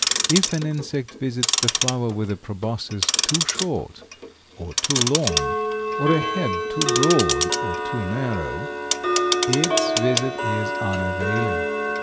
If an insect visits the flower with a proboscis too short or too long, or a head too broad or too narrow, its visit is unavailing.